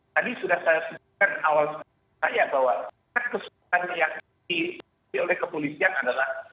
tadi sudah saya sebutkan awal saya bahwa kesulitan yang diberikan oleh kepolisian adalah